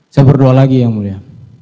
saya berdua lagi yang mulia